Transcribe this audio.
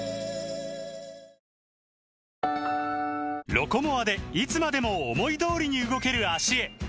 「ロコモア」でいつまでも思い通りに動ける脚へ！